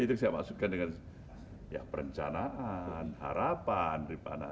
itu saya maksudkan dengan perencanaan harapan rifana